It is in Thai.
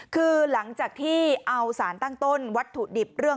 คือหลังจากที่เอาสารตั้งต้นวัตถุดิบเรื่อง